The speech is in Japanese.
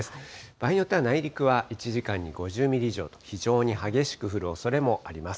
場合によっては内陸は１時間に５０ミリ以上、非常に激しく降るおそれもあります。